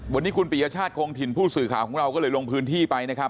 วันนี้คุณปียชาติคงถิ่นผู้สื่อข่าวของเราก็เลยลงพื้นที่ไปนะครับ